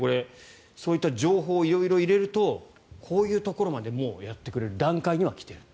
そういった情報を色々入れるとこういうところまでもうやってくれる段階には来ていると。